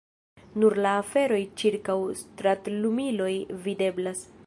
Nur la aferoj ĉirkaŭ stratlumiloj videblas.